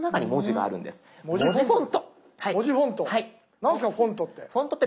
何ですかフォントって？